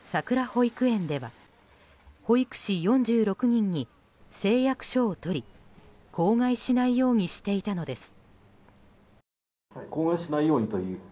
保育園では保育士４６人に誓約書をとり口外しないようにしていたのです。